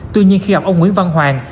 tuy nhiên khi gặp ông nguyễn văn hoàng